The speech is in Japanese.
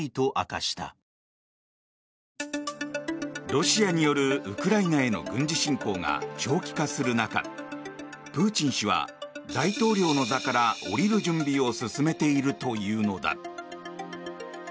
ロシアによるウクライナへの軍事侵攻が長期化する中プーチン氏は大統領の座から降りる準備を進めているというのだ。